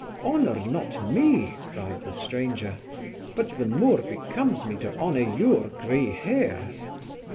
'Honour not me (cried the stranger); but more becomes me to honour your grey hairs.